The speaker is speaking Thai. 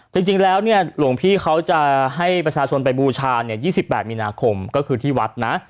จริงแล้วเนี่ยหลวงพี่เขาจะให้ประชาชนไปบูชา๒๘มีนาคมก็คือที่วัดนะ